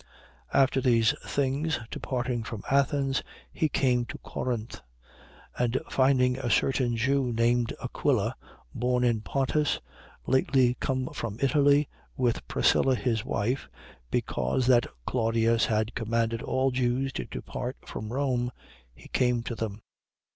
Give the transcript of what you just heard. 18:1. After these things, departing from Athens, he came to Corinth. 18:2. And finding a certain Jew, named Aquila, born in Pontus, lately come from Italy, with Priscilla his wife (because that Claudius had commanded all Jews to depart from Rome), he came to them.